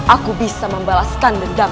aku bisa membalaskan dendam